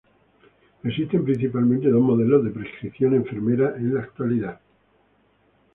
Existen principalmente dos modelos de prescripción enfermera en la actualidad.